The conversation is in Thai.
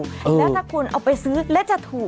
แล้วถ้าคุณเอาไปซื้อแล้วจะถูก